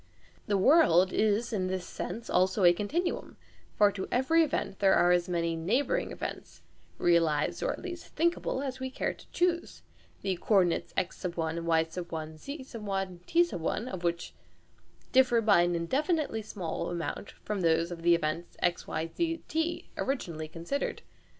The" world" is in this sense also a continuum; for to every event there are as many "neighbouring" events (realised or at least thinkable) as we care to choose, the co ordinates x, y, z, t of which differ by an indefinitely small amount from those of the event x, y, z, t originally considered.